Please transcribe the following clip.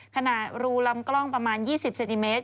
ขนาดรูลำกล้องประมาณ๒๐เซนติเมตร